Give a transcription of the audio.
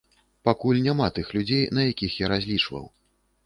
Пакуль няма тых людзей, на якіх я разлічваў.